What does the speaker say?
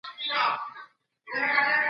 نجونې په کالج کي ګنډل زده کوي.